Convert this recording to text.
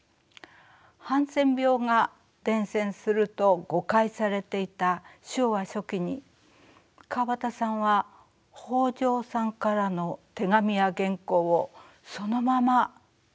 ハンセン病が伝染すると誤解されていた昭和初期に川端さんは北条さんからの手紙や原稿をそのまま手にされていたといいます。